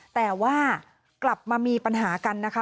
แต่ว่ากลับมามีปัญหากันนะคะ